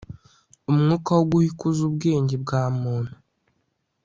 umwuka wo guha ikuzo ubwenge bwa muntu